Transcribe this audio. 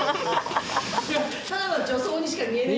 ・ただの女装にしか見えね。